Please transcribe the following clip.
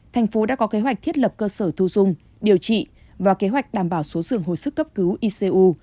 thành phố đã có kế hoạch thiết lập cơ sở thu dung điều trị và kế hoạch đảm bảo số dường hồi sức cấp cứu icu